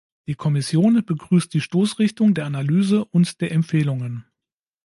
Die Kommission begrüßt die Stoßrichtung der Analyse und der Empfehlungen.